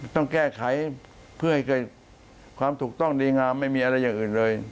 ต้องแก้ไขเพื่อให้เกิดความถูกต้องดีงามไม่มีอะไรอย่างอื่นเลย